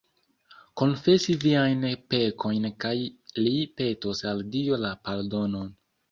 Konfesi viajn pekojn kaj li petos al Dio la pardonon